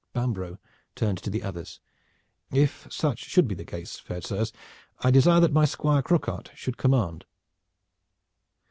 Bambro' turned to the others. "If such should be the case, fair sirs, I desire that my Squire Croquart should command."